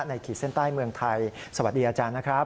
ขีดเส้นใต้เมืองไทยสวัสดีอาจารย์นะครับ